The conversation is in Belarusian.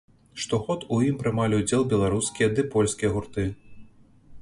Штогод у ім прымалі ўдзел беларускія ды польскія гурты.